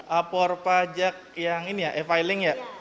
lapor pajak yang ini ya e filing ya